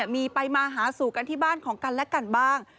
มีไปมาหาสู่กันที่บ้านของกันและกันบ้าง